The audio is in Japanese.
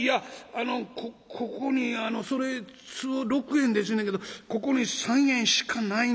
あのここにあのそれつぼ６円ですやねんけどここに３円しかないんです」。